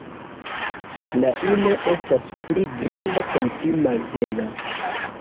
La ino estas pli granda kaj pli malhela.